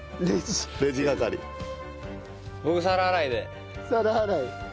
皿洗い。